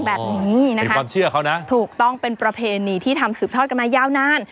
แบบนี้นะคะถูกต้องเป็นประเพณีที่ทำสืบทอดกันมายาวนาน